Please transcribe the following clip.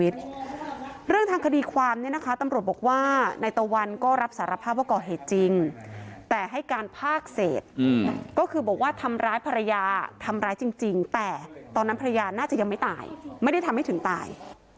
แต่ตอนนั้นภรรยาน่าจะยังไม่ตายไม่ได้ทำให้ถึงตาย